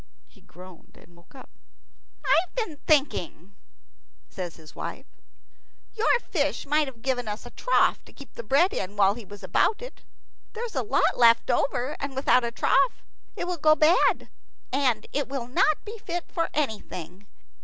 He groaned and woke up. "I've been thinking," says his wife, "your fish might have given us a trough to keep the bread in while he was about it. There is a lot left over, and without a trough it will go bad, and not be fit for anything.